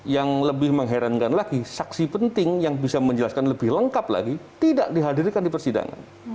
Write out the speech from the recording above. yang lebih mengherankan lagi saksi penting yang bisa menjelaskan lebih lengkap lagi tidak dihadirkan di persidangan